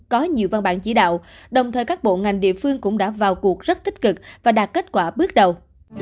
có nhiều văn bản chỉ đạo đồng thời các bộ ngành địa phương cũng đã vào cuộc rất tích cực và đạt kết quả bước đầu